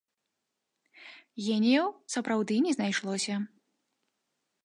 Геніяў сапраўды не знайшлося.